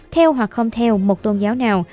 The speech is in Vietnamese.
theo hoặc không theo một tôn giáo nào